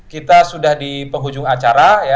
kita sudah di penghujung acara